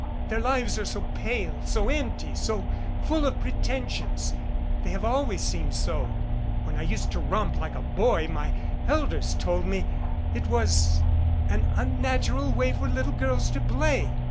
Their lives are so pale, so empty, so full of pretensions. They have always THE INEFFECTUAL seemed so. When I used to romp like a boy my elders told me it was an unnatural way for little girls to play.